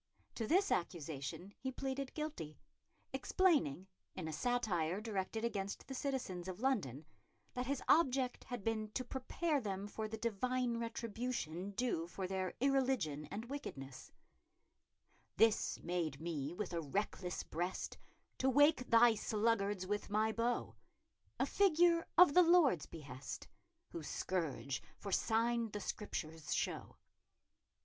To this accusation he pleaded guilty, explaining, in a satire directed against the citizens of London, that his object had been to prepare them for the divine retribution due for their irreligion and wickedness: This made me with a reckless brest, To wake thy sluggards with my bowe; A figure of the Lord's behest, Whose scourge for synne the Scriptures shew.